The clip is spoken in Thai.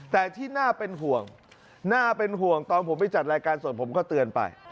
แต่ที่น่าเป็นห่วงตอนผมไปจัดรายการส่วนผมก็เตือนไป